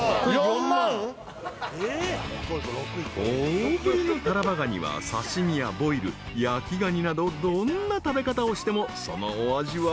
［大ぶりのタラバガニは刺し身やボイル焼きがになどどんな食べ方をしてもそのお味は絶品］